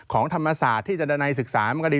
ของธรรมศาสตร์ที่จะดาในศึกษามาก็ดี